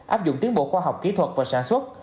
áp dụng tiến bộ khoa học kỹ thuật và sản xuất